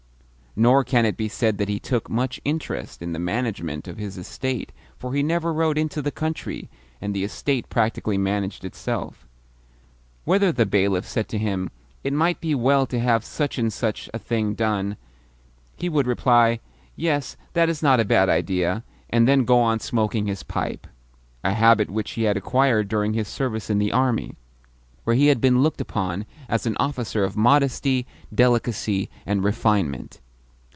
Nor can it be said that he took much interest in the management of his estate, for he never rode into the country, and the estate practically managed itself. Whenever the bailiff said to him, "It might be well to have such and such a thing done," he would reply, "Yes, that is not a bad idea," and then go on smoking his pipe a habit which he had acquired during his service in the army, where he had been looked upon as an officer of modesty, delicacy, and refinement.